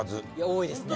多いですね。